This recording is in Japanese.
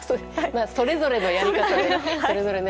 それぞれのやり方で。